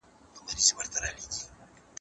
له ږيري ئې واخيست پر برېت ئې کښېښووی.